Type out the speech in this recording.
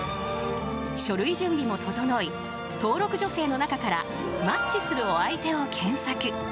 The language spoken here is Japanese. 書類準備も整い登録女性の中からマッチするお相手を検索。